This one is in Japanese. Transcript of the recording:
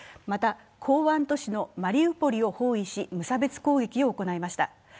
また港湾都市のマリウポリを包囲し無差別攻撃を行いました。